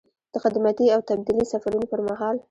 د خدمتي او تبدیلي سفرونو پر مهال.